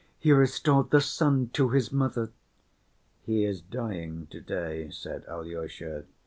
He restored the son to his mother!" "He is dying to‐day," said Alyosha.